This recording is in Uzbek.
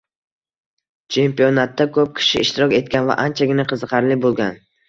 Chempionatda ko‘p kishi ishtirok etgan va anchagina qiziqarli boʻlgan.